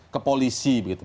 ke polisi begitu